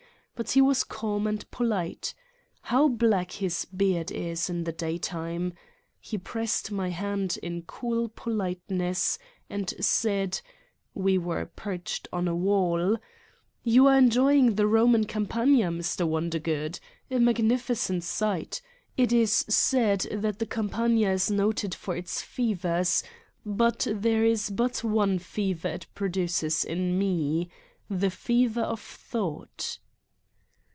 But he was calm and polite. How black his beard is in the day time ! He pressed my hand in cold politeness and said : (we were perched on a wall.) "You are enjoying the Roman Campagna, Mr. Wondergood? A magnificent sight! It is said that the Campagna is noted for its fevers, but there is but one fever it produces in me the fever of thought